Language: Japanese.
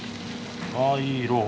あいい色。